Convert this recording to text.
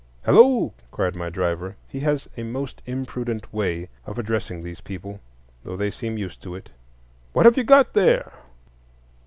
"Hello!" cried my driver,—he has a most imprudent way of addressing these people, though they seem used to it,—"what have you got there?"